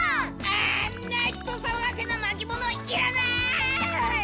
あんな人さわがせなまきものいらない！